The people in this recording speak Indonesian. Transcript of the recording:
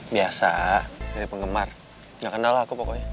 biasa dari penggemar gak kendal aku pokoknya